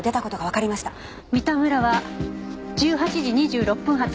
三田村は１８時２６分発